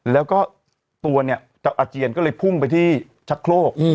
แล้วก็ตัวเนี่ยจะอาเจียนก็เลยพุ่งไปที่ชักโครก